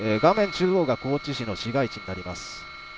中央が高知市の市街地になります。